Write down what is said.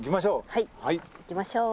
はい行きましょう！